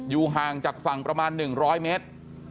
ห่างจากฝั่งประมาณ๑๐๐เมตร